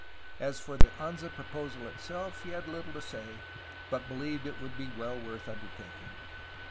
As for the Anza proposal itself, he had httle to say, but believed it would be well worth undertaking.